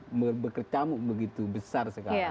sudah bekercamuk begitu besar sekarang